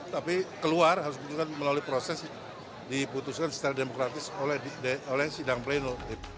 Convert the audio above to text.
tapi keluar harus ditunjukkan melalui proses diputuskan secara demokratis oleh sidang pleno